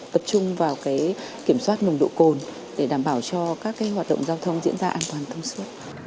tập trung vào kiểm soát nồng độ cồn để đảm bảo cho các hoạt động giao thông diễn ra an toàn thông suốt